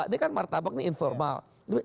ini kan martabak nih informal